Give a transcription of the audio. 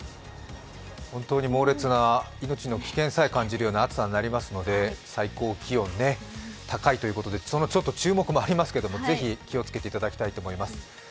本当に猛烈な命の危険さえ感じる暑さになりますので最高気温、高いということで、その注目もありますけれども、ぜひ気をつけていただきたいと思います。